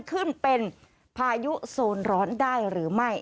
ขึ้นเป็นพายุโซนร้อนได้หรือไม่